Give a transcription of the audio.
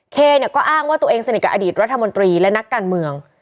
เคเนี่ยก็อ้างว่าตัวเองสนิทกับอดีตรัฐมนตรีและนักการเมือง